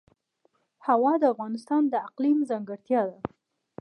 هوا د افغانستان د اقلیم ځانګړتیا ده.